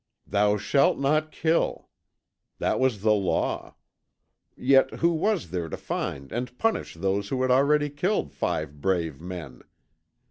"Thou Shalt Not Kill." That was the law. Yet who was there to find and punish those who had already killed five brave men?